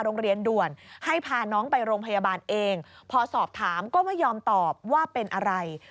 โรงเรียนด่วนให้พาน้องไปโรงพยาบาลเองพอสอบถามก็ไม่ยอมตอบว่าเป็นอะไร